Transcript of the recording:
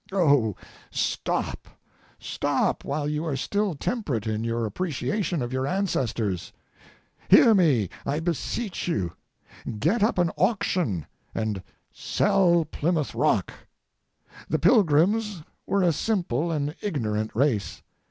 Oh, stop, stop, while you are still temperate in your appreciation of your ancestors! Hear me, I beseech you; get up an auction and sell Plymouth Rock! The Pilgrims were a simple and ignorant race.